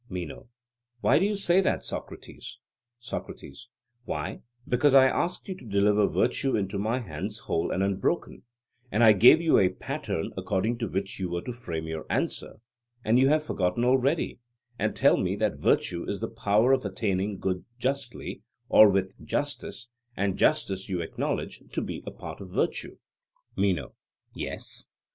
MENO: Why do you say that, Socrates? SOCRATES: Why, because I asked you to deliver virtue into my hands whole and unbroken, and I gave you a pattern according to which you were to frame your answer; and you have forgotten already, and tell me that virtue is the power of attaining good justly, or with justice; and justice you acknowledge to be a part of virtue. MENO: Yes.